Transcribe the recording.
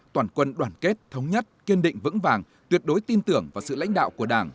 toàn quân đoàn kết thống nhất kiên định vững vàng tuyệt đối tin tưởng vào sự lãnh đạo của đảng